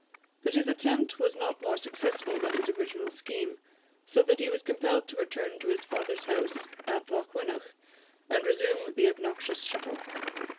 But this attempt was not more successful than his original scheme, so that he was compelled to return to his father's house at Lochwinnoch, and resume the obnoxious shuttle.